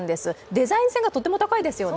デザイン性がとても高いですよね。